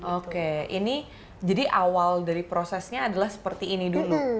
oke ini jadi awal dari prosesnya adalah seperti ini dulu